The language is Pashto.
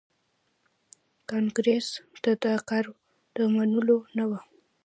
کانګریس ته دا کار د منلو نه و.